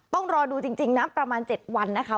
ต้องรอดูจริงนะประมาณ๗วันนะคะ